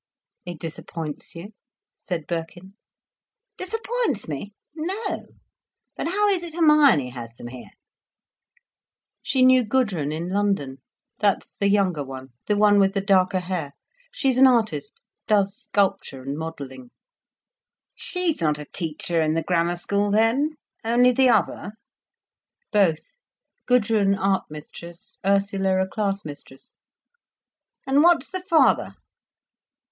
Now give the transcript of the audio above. "It disappoints you?" said Birkin. "Disappoints me! No—but how is it Hermione has them here?" "She knew Gudrun in London—that's the younger one, the one with the darker hair—she's an artist—does sculpture and modelling." "She's not a teacher in the Grammar School, then—only the other?" "Both—Gudrun art mistress, Ursula a class mistress." "And what's the father?"